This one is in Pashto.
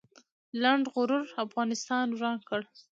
لنډغرو افغانستان وران کړ